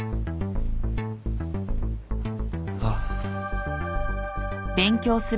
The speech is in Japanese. ああ。